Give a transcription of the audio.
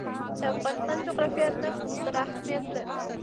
د افغانستان جغرافیه کې نفت ستر اهمیت لري.